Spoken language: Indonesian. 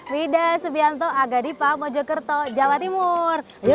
wadah subianto agadipa mojokerto jawa timur